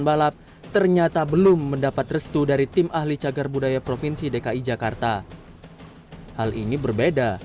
balap ternyata belum mendapat restu dari tim ahli cagar budaya provinsi dki jakarta hal ini berbeda